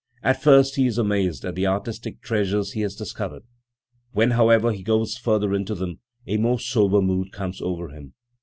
At first he is amazed at the artistic treasures he has discovered; when, however, he goes further into them, a more sober mood comes oyer him.